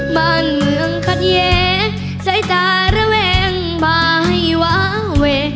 บ้านเหงื่องขัดเยใส่ตาระแวงบายวาเว